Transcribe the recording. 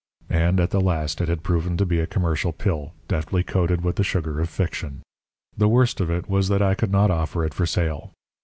And, at the last it had proven to be a commercial pill, deftly coated with the sugar of fiction. The worst of it was that I could not offer it for sale.